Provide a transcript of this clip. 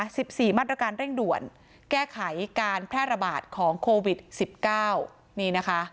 สิบสี่มาตรการเร่งด่วนแก้ไขการแพร่ระบาดของโควิดสิบเก้านี่นะคะ